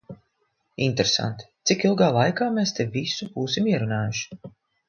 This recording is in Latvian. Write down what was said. Interesanti, cik ilgā laikā mēs te visu būsim ierunājuši.